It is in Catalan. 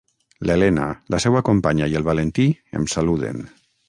L’Elena, la seua companya i el Valentí em saluden.